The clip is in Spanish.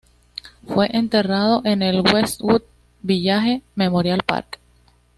Fue enterrado en el Westwood Village Memorial Park.